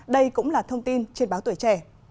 đây cũng là thông tin trên báo tuổi trẻ